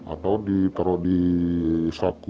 atau ditaruh di saku